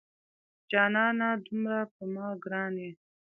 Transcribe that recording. جانانه دومره په ما ګران یې